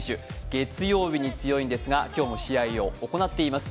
月曜日に強いんですが今日も試合を行っています。